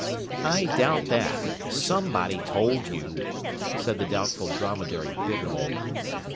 "I doubt that. Somebody told you," said the Doubtful Dromedary bitterly.